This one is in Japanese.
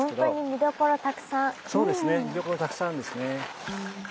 見どころたくさんあるんですね。